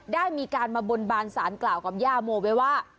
ได้มีการมาบนบานสารกล่าวกับย่าโมไว้ว่า